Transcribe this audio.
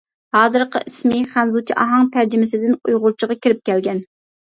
ھازىرقى ئىسمى خەنزۇچە ئاھاڭ تەرجىمىسىدىن ئۇيغۇرچىغا كىرىپ كەلگەن.